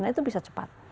nah itu bisa cepat